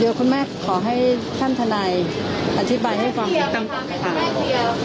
เดี๋ยวคุณแม่ขอให้ท่านทนายอธิบายให้ความคิดต่างคุณแม่เทียบ